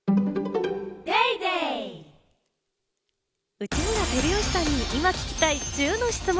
内村光良さんに今、聞きたい１０の質問。